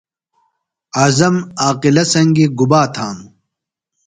اعظم عاقلہ سنگیۡ گُبا تھانوۡ ؟